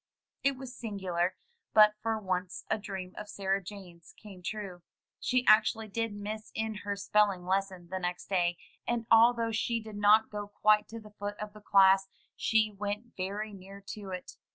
It was singular, but for once a dream of Sarah Jane's came true. She actually did miss in her spelling lesson the next day, and although she did not go quite to the foot of the class, she went very near to it.